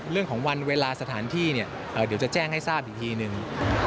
เรื่องของวันเวลาสถานที่เดี๋ยวจะแจ้งให้ทราบอีกทีหนึ่ง